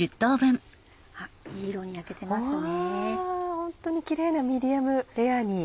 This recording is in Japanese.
ホントにキレイなミディアムレアに。